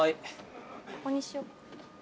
ここにしよう。